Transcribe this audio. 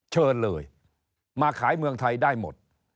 เชิญเลยมาขายเมืองไทยได้หมด